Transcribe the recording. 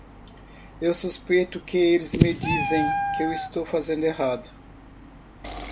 Eu suspeito que eles me dizem que estou fazendo errado.